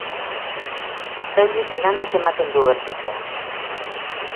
Soilik lanak ematen du bertutea.